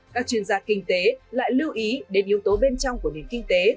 các chuyên gia kinh tế lại lưu ý đến yếu tố bên trong của nền kinh tế